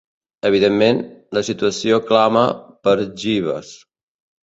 Evidentment, la situació clama per Jeeves.